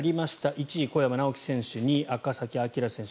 １位、小山直城選手２位、赤崎暁選手。